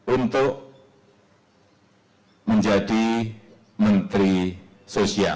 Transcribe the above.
untuk menjadi menteri sosial